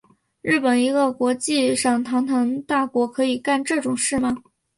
日本一个国际上堂堂大国可以干这种事吗？